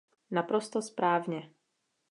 Naprosto správně.